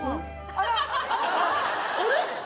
あれ？